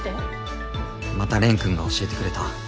また蓮くんが教えてくれた。